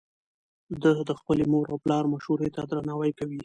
ده د خپلې مور او پلار مشورې ته درناوی کوي.